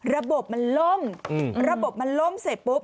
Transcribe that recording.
ระบบมันล่มระบบมันล่มเสร็จปุ๊บ